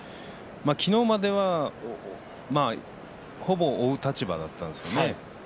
昨日まではほぼ追う立場だったんですよね。